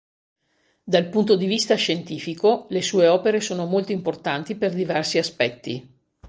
Dal punto di vista scientifico, le sue opere sono molto importanti per diversi aspetti.